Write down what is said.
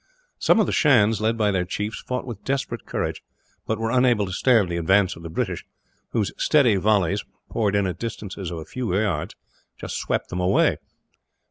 Some of the Shans, led by their chiefs, fought with desperate courage; but were unable to stand the advance of the British, whose steady volleys, poured in at distances of a few yards, swept them away.